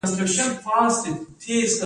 ماشینري کار اسانه کوي.